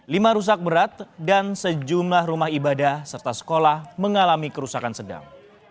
lima rusak berat dan sejumlah rumah ibadah serta sekolah mengalami kerusakan sedang